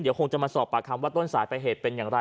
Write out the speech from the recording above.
เดี๋ยวคงจะมาสอบปากคำว่าต้นสายไปเหตุเป็นอย่างไร